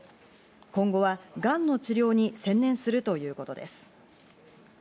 今後はがんの治療に専念するということです。